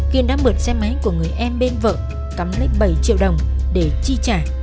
kiên đã mượn xe máy của người em bên vợ cắm lấy bảy triệu đồng để chi trả